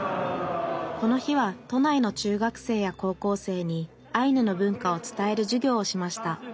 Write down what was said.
この日は都内の中学生や高校生にアイヌの文化を伝える授業をしました